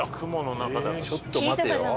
ちょっと待てよ。